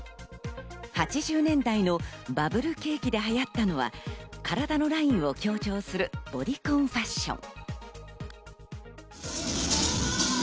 ８０年代のバブル景気で流行ったのは、体のラインを強調するボディコンファッション。